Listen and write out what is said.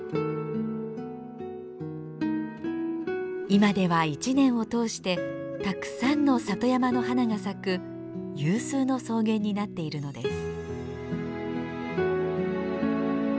今では一年を通してたくさんの里山の花が咲く有数の草原になっているのです。